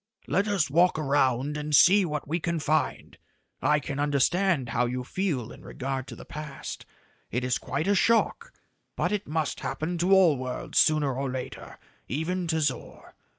"Let us walk around and see what we can find. I can understand how you feel in regard to the past. It is quite a shock but it must happen to all worlds sooner or later even to Zor.